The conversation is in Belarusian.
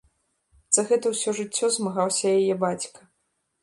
За гэта ўсё жыццё змагаўся яе бацька.